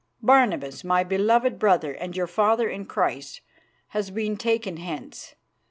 Barnabas, my beloved brother and your father in Christ, has been taken hence.